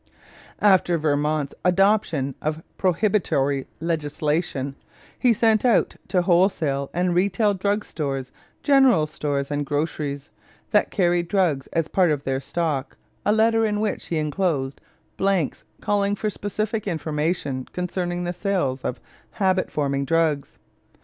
After Vermont's adoption of prohibitory legislation, he sent out to wholesale and retail drug stores, general stores, and groceries that carried drugs as a part of their stock a letter in which were inclosed blanks calling for specific information concerning the sale of habit forming drugs.